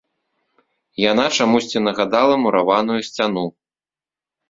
Яна чамусьці нагадала мураваную сцяну.